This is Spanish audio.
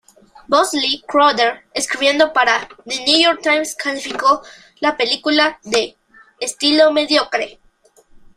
Bosley Crowther escribiendo para "The New York Times" calificó la película de "estilo mediocre.